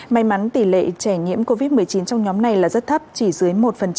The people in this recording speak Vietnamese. may mắn tỷ lệ trẻ nhiễm covid một mươi chín trong nhóm này là rất thấp chỉ dưới một